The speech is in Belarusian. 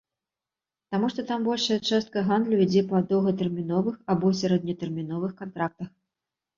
Таму што там большая частка гандлю ідзе па доўгатэрміновых або сярэднетэрміновых кантрактах.